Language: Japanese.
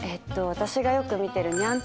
私がよく見てる。